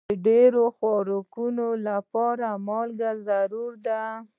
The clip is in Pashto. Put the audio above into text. د ډېرو خوراکونو لپاره مالګه ضروري ده.